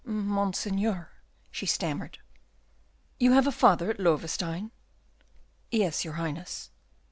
"Monseigneur," she stammered. "You have a father at Loewestein?" "Yes, your Highness."